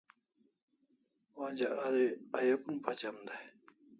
Onja a ayukun pachem dai